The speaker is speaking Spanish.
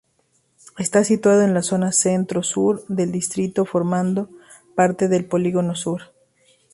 Está situado en la zona centro-sur del distrito, formando parte del Polígono Sur.